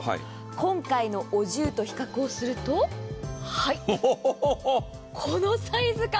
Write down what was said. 今回のお重と比較をすると、このサイズ感。